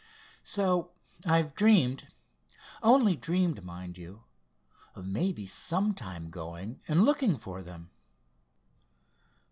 "So, I've dreamed—only dreamed, mind you—of maybe some time going and looking for them."